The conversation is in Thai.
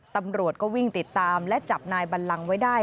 ตำรวจก็วิ่งติดตามและจับนายบัลลังไว้ได้